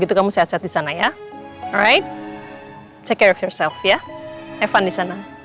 gitu kamu sehat sehat di sana ya alright take care of yourself ya have fun di sana